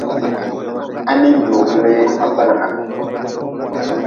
Ha nin joom lee ma kpelnga.